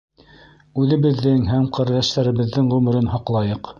Үҙебеҙҙең һәм ҡәрҙәштәребеҙҙең ғүмерен һаҡлайыҡ.